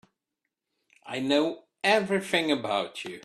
I know everything about you.